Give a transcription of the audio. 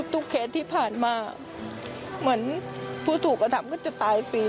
เคสที่ผ่านมาเหมือนผู้ถูกกระทำก็จะตายฟรี